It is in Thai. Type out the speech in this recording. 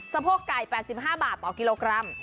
โพกไก่๘๕บาทต่อกิโลกรัม